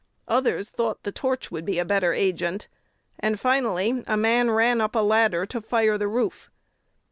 Others thought the torch would be a better agent; and, finally, a man ran up a ladder to fire the roof.